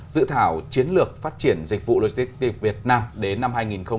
dự thảo chiến lược phát triển dịch vụ logistics việt nam đến năm hai nghìn ba mươi